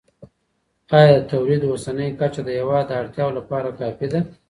ایا د تولید اوسنۍ کچه د هیواد د اړتیاوو لپاره کافي ده؟